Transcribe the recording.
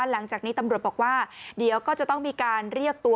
หลังจากนี้ตำรวจบอกว่าเดี๋ยวก็จะต้องมีการเรียกตัว